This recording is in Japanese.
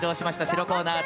白コーナー。